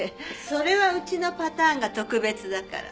それはうちのパターンが特別だから。